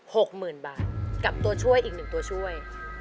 หกหมื่นบาทกับตัวช่วยอีกหนึ่งตัวช่วย